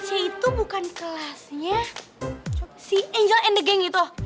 c itu bukan kelasnya si angel and the game itu